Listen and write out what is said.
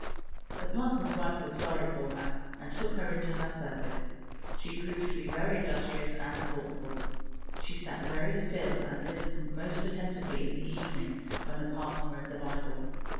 The parson's wife was sorry for her, and took her into her service; she proved to be very in dustrious and thoughtful. She sat very still, and listened most attentively in the evening when the parson read the Bible.